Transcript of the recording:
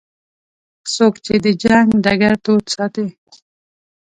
څوک چې د جنګ ډګر تود ساتي.